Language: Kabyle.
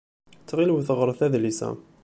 Ttxil-wet ɣṛet adlis-a.